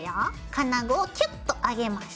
金具をキュッと上げます。